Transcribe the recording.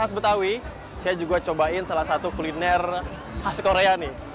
saya juga cobain salah satu kuliner khas korea nih